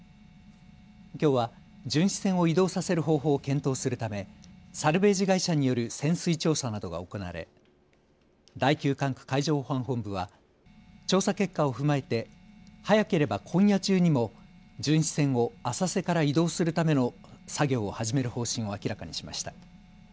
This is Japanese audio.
きょうは巡視船を移動させる方法を検討するためサルベージ会社による潜水調査などが行われ第９管区海上保安本部は調査結果を踏まえて早ければ今夜中にも巡視船を浅瀬から移動するための作業を始める方針を明らかにしました。